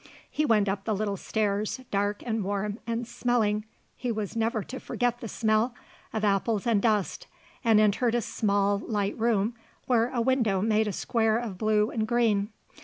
He went up the little stairs, dark and warm, and smelling he was never to forget the smell of apples and dust, and entered a small, light room where a window made a square of blue and green.